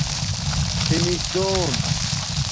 خیمش دُون